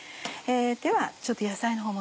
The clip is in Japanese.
ではちょっと野菜のほうも。